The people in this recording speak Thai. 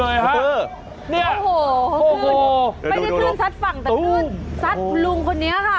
โอ้โหคุณไม่ได้คลื่นซัดฝั่งแต่คลื่นซัดคุณลุงคนนี้ค่ะ